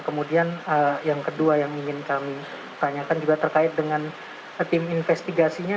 kemudian yang kedua yang ingin kami tanyakan juga terkait dengan tim investigasinya